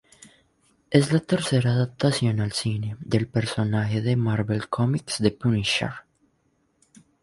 Es la tercera adaptación al cine del personaje de Marvel Cómics The Punisher.